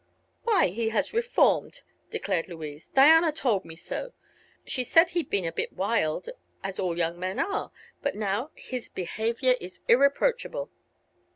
"Why, he has reformed," declared Louise; "Diana told me so. She said he had been a bit wild, as all young men are; but now his behavior is irreproachable."